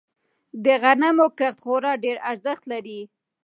د غنمو کښت خورا ډیر ارزښت لری.